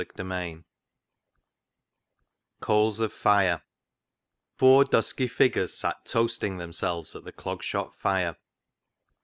Coals of Fire 123 Coals of Fire Four dusky figures sat toasting themselves at the Clog Shop fire.